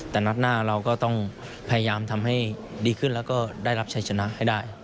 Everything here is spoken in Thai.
แต่นัดหน้าเราก็ต้องพยายามทำให้ดีขึ้นแล้วก็ได้รับชัยชนะให้ได้